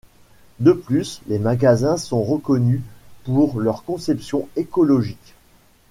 De plus, les magasins sont reconnus pour leur conception écologique.